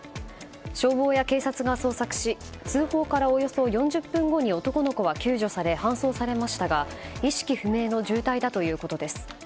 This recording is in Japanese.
消防や警察が捜索し通報からおよそ４０分後に男の子は救助され搬送されましたが意識不明の重体だということです。